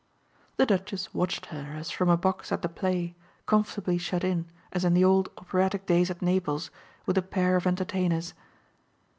The Duchess watched her as from a box at the play, comfortably shut in, as in the old operatic days at Naples, with a pair of entertainers.